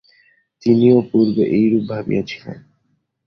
তিনিও পূর্বে এইরূপ ভাবিয়াছিলেন।